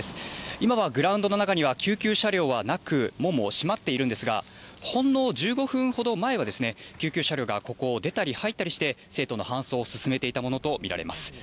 今はグラウンドの中には救急車両はなく、門も閉まっているんですが、ほんの１５分ほど前は、救急車両がここを出たり入ったりして、生徒の搬送を進めていたものと見られます。